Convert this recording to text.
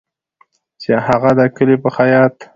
چې هغه د کلي په خیاط